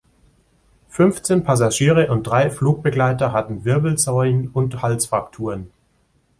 Fünfzehn Passagiere und drei Flugbegleiter hatten Wirbelsäulen- und Halsfrakturen.